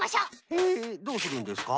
へえどうするんですか？